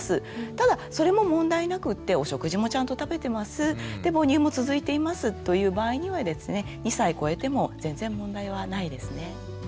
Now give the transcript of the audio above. ただそれも問題なくってお食事もちゃんと食べてますで母乳も続いていますという場合にはですね２歳こえても全然問題はないですね。